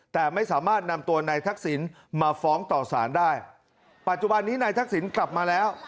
แต่ไม่สามารถนำตัวนายทักษิณมาฟ้องต่อสารได้ปัจจุบันนี้นายทักษิณกลับมาแล้ว